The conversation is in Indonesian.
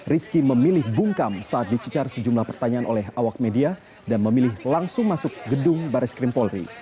rizky memilih bungkam saat dicecar sejumlah pertanyaan oleh awak media dan memilih langsung masuk gedung baris krim polri